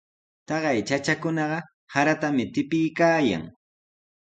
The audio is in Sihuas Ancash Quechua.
Taqay chachakunaqa saratami tipiykaayan.